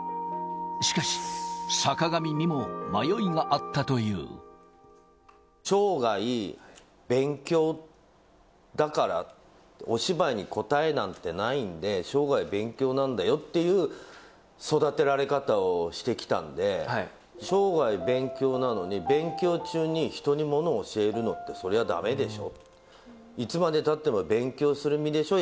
しかし、坂上にも迷いがあったと生涯、勉強だから、お芝居に答えなんてないんで、生涯勉強なんだよっていう育てられ方をしてきたんで、生涯勉強なのに、勉強中に人にものを教えるのってそれはだめでしょ、いつまでたっても勉強する身でしょ？